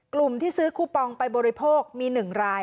กลุ่มที่ซื้อคูปองไปบริโภคมี๑ราย